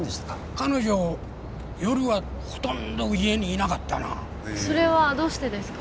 彼女夜はほとんど家にいなかったなそれはどうしてですか？